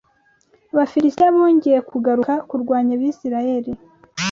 ABAFILISITIYA bongeye kugaruka kurwanya Abisirayeli